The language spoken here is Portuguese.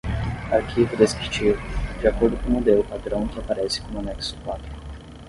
Arquivo descritivo, de acordo com o modelo padrão que aparece como anexo quatro.